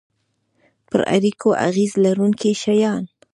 پر اړیکو اغیز لرونکي شیان